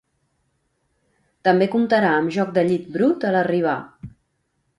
També comptarà amb joc de llit brut a l'arribar.